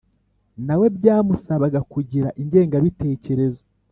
nawe byamusabaga kugira ingengabitekerezo